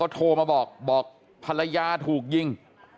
โทรมาบอกบอกภรรยาถูกยิง